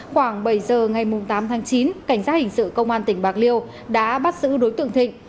khoảng bảy giờ ngày tám tháng chín cảnh sát hình sự công an tỉnh bạc liêu đã bắt giữ đối tượng thịnh